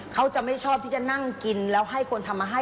เขาจะไม่ชอบที่จะนั่งกินแล้วให้คนทำมาให้